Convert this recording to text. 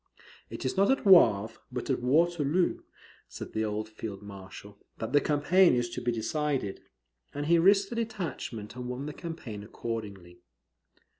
"It is not at Wavre, but at Waterloo," said the old Field Marshal, "that the campaign is to be decided;" and he risked a detachment, and won the campaign accordingly.